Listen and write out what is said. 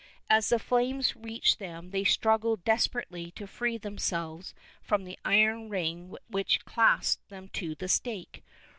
As the flames reached them they struggled desperately to free them selves from the iron ring which clasped them to the stake.